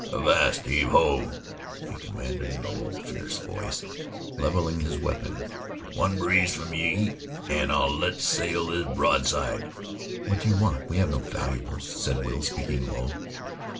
"Avast! Heave to!" he commanded in a low, fierce voice, leveling his weapon. "One breeze from ye, an' I let sail this broadside." "What do you want? We have no valuables," said Will, speaking low.